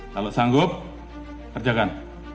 kalau sanggup kerjakan